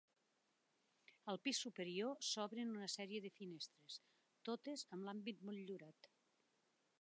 Al pis superior s’obrin una sèrie de finestres, totes amb ampit motllurat.